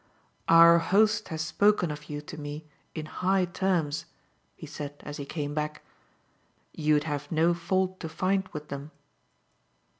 "Our host has spoken of you to me in high terms," he said as he came back. "You'd have no fault to find with them."